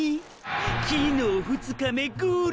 昨日２日目ゴール